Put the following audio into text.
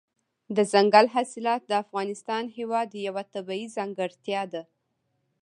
دځنګل حاصلات د افغانستان هېواد یوه طبیعي ځانګړتیا ده.